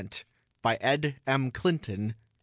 by E. M. Clinton, Jr.